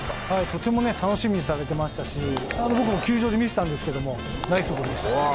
とても楽しみにされてましたし僕も球場で見ていたんですがナイスボールでした。